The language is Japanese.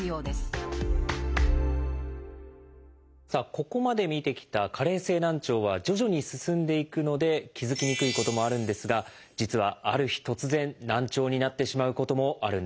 ここまで見てきた加齢性難聴は徐々に進んでいくので気付きにくいこともあるんですが実はある日突然難聴になってしまうこともあるんです。